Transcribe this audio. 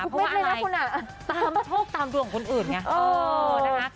เพราะว่าอะไรโชคตามตัวของคนอื่นไง